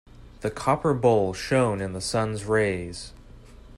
The copper bowl shone in the sun's rays.